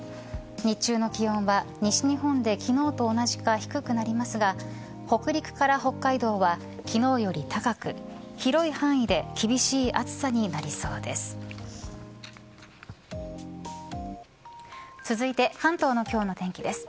日中の気温は西日本で昨日と同じか低くなりますが北陸から北海道は昨日より高く広い範囲で厳しい暑さになりそうです。